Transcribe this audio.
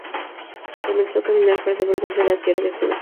Comenzaron á caminar para volverse á la tierra de Judá.